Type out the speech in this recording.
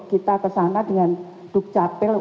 kita kesana dengan duk capil